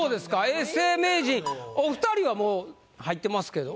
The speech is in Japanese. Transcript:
永世名人お２人はもう入ってますけど。